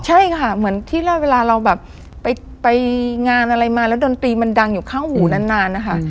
ใช่ค่ะเหมือนที่เวลาเราแบบไปงานอะไรมาแล้วดนตรีมันดังอยู่ข้างหูนานนะคะ